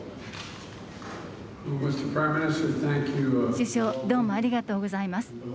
師匠、どうもありがとうございます。